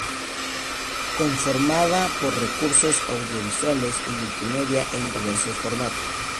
Conformada por recursos audiovisuales y multimedia en diversos formatos.